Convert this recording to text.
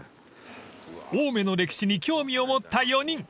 ［青梅の歴史に興味を持った４人］